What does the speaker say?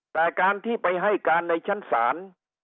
แต่การที่ไปให้การในชั้นศาล